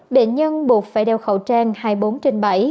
bệnh nhân buộc phải đeo khẩu trang hai mươi bốn trên bảy